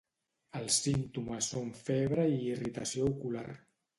Els símptomes són febre i irritació ocular.